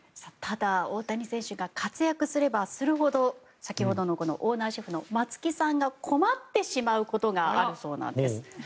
ただ大谷選手が活躍すればするほど先ほどのオーナーシェフの松木さんが困ってしまうことがあるそうなんです。